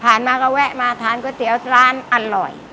มาก็แวะมาทานก๋วยเตี๋ยวร้านอร่อย